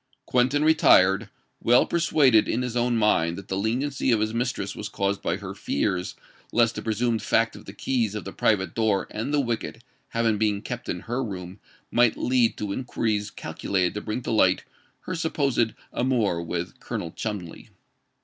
Quentin retired, well persuaded in his own mind that the leniency of his mistress was caused by her fears lest the presumed fact of the keys of the private door and the wicket having been kept in her room might lead to inquiries calculated to bring to light her supposed amour with Colonel Cholmondeley.